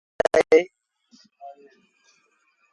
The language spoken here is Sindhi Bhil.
ائيٚݩ هڪڙو در بالڳل اهي۔